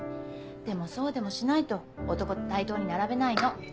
でもそうでもしないと男と対等に並べないの。